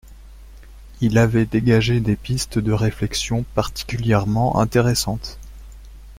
Il avait dégagé des pistes de réflexion particulièrement intéressantes.